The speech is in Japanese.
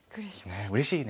ねえうれしいね。